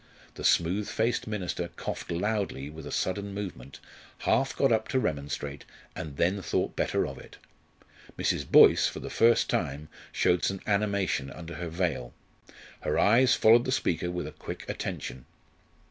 The smooth faced minister coughed loudly with a sudden movement, half got up to remonstrate, and then thought better of it. Mrs. Boyce for the first time showed some animation under her veil. Her eyes followed the speaker with a quick attention.